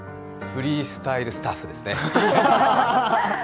フリースタイルスタッフですね。